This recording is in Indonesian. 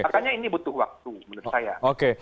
makanya ini butuh waktu menurut saya